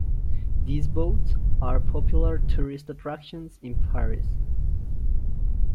These boats are popular tourist attractions in Paris.